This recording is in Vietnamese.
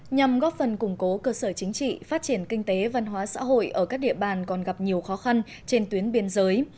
nhằm góp phần củng cố cơ sở chính trị phát triển kinh tế văn hóa xã hội ở các địa bàn còn gặp nhiều khó khăn trên tuyến biên giới